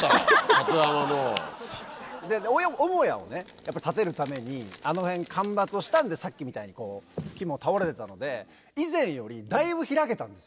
母屋を建てるためにあの辺間伐をしたんでさっきみたいに木も倒れてたので以前よりだいぶ開けたんですよ。